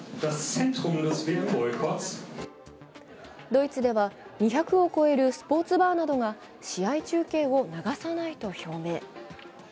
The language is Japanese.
ドイツでは２００を超えるスポーツバーなどが試合中継を流さないと表明。